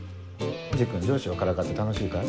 藤君上司をからかって楽しいかい？